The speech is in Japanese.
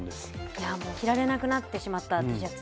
いやもう着られなくなってしまったＴシャツ